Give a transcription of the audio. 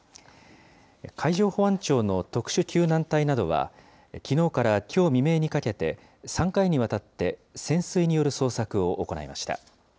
海上保安庁の特殊救難隊などは、きのうからきょう未明にかけて、３回にわたって潜水による捜索を行いました。